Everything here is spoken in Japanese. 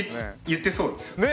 言ってそうですよね。ね！